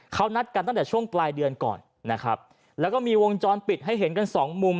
เขานัดกันตั้งแต่ช่วงปลายเดือนก่อนนะครับแล้วก็มีวงจรปิดให้เห็นกันสองมุม